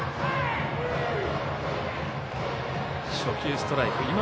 初球、ストライク。